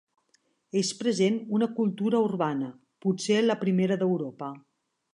És present una cultura urbana, potser la primera d'Europa.